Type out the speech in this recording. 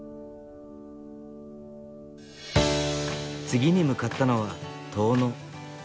次に向かったのは遠野。